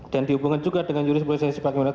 dan dihubungkan juga dengan jurisprosesi sebagai